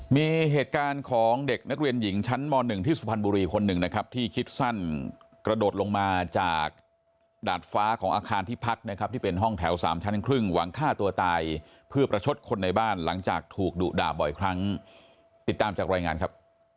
มีเหตุการณ์ของเด็กนักเรียนหญิงชั้นม๑ที่สุพรรณบุรีคนหนึ่งนะครับที่คิดสั้นกระโดดลงมาจากดาดฟ้าของอาคารที่พักนะครับที่เป็นห้องแถวสามชั้นครึ่งหวังฆ่าตัวตายเพื่อประชดคนในบ้านหลังจากถูกดุด่าบ่อยครั้งติดตามจากรายงานครับ